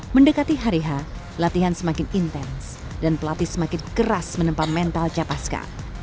mendekati hari h latihan semakin intens dan pelatih semakin keras menempa mental capaska